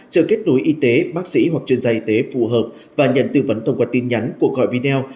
chờ kết nối y tế bác sĩ hoặc chuyên gia y tế phù hợp và nhận tư vấn thông qua tin nhắn cuộc gọi video